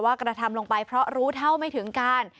กระทำลงไปเพราะรู้เท่าไม่ถึงการ